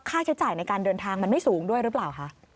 ค่าใช้จ่ายในการเดินทางมันไม่สูงด้วยหรือเปล่าคะ